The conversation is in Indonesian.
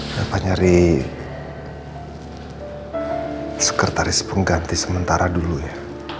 bapak nyari sekretaris pengganti sementara dulu ya